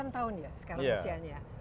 enam puluh sembilan tahun ya sekarang misalnya